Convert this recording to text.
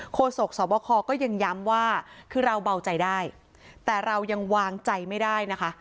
โศกสวบคก็ยังย้ำว่าคือเราเบาใจได้แต่เรายังวางใจไม่ได้นะคะ